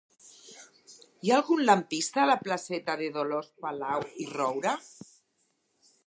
Hi ha algun lampista a la placeta de Dolors Palau i Roura?